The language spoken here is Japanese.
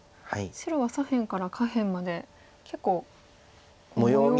白は左辺から下辺まで結構模様が。